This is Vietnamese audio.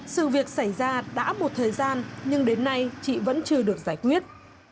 sự việc xảy ra đã một thời gian nhưng đến nay chị vẫn chưa được giải quyết